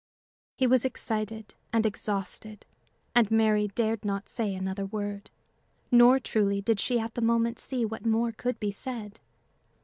He was excited and exhausted, and Mary dared not say another word. Nor truly did she at the moment see what more could be said.